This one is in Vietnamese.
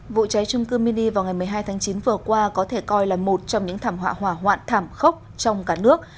vụ cháy trung cư mini vào ngày một mươi hai tháng chín vừa qua có thể coi là một trong những thảm họa hỏa hoạn thảm khốc trong cả nước